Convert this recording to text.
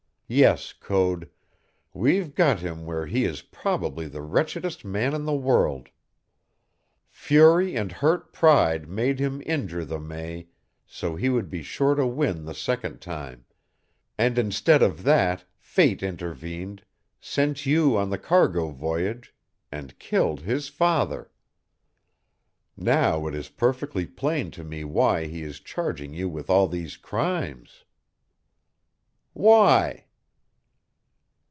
Yes, Code, we've got him where he is probably the wretchedest man in the world. Fury and hurt pride made him injure the May so he would be sure to win the second time, and instead of that fate intervened, sent you on the cargo voyage, and killed his father. Now it is perfectly plain to me why he is charging you with all these crimes." "Why?"